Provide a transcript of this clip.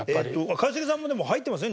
一茂さんもでも入ってますよ